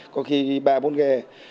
có khi ba bốn ghe